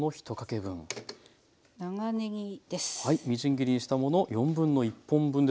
長ねぎです。